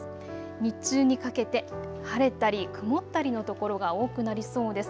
日中にかけて晴れたり曇ったりの所が多くなりそうです。